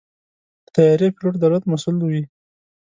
د طیارې پيلوټ د الوت مسؤل وي.